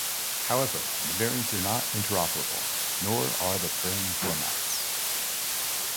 However the variants are not interoperable, nor are the frame formats.